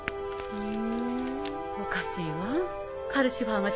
うん。